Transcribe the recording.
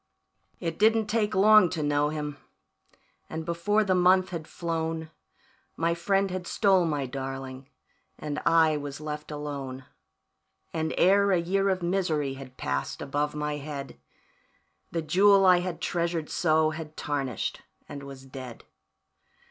"It didn't take long to know him, and before the month had flown My friend had stole my darling, and I was left alone; And ere a year of misery had passed above my head, The jewel I had treasured so had tarnished and was dead.